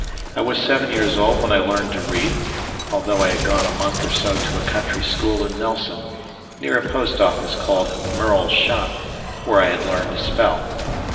I was seven years old when I learned to read, although I had gone a month or so to a country school in Nelson, near a post office called Murrell's Shop, where I had learned to spell.